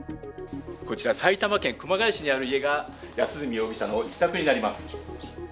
こちら埼玉県熊谷市にある家が安栖容疑者の自宅になります。